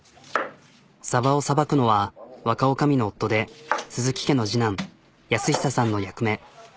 さばをさばくのは若おかみの夫で鈴木家の次男の役目。